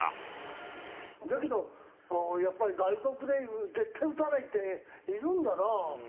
だけどやっぱり外国で絶対打たないっているんだな。